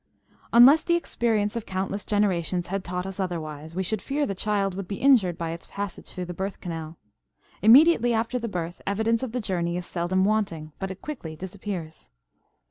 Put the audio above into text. Unless the experience of countless generations had taught us otherwise, we should fear the child would be injured by its passage through the birth canal. Immediately after the birth evidence of the journey is seldom wanting, but it quickly disappears.